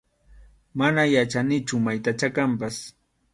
Mana yachanichu maytachá kanpas.